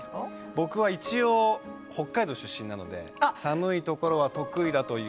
僕は一応北海道出身なので寒い所は得意だという。